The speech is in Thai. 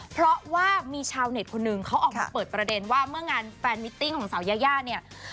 เพราะว่ามีชาวเน็ตคนหนึ่งเขาออกมาเปิดประเด็นว่าเมื่องานแฟนมิตติ้งของสาวยายาเนี่ย